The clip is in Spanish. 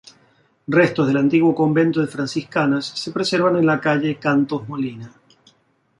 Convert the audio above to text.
Restos del antiguo convento de franciscanas, se preservan en la calle Cantos Molina.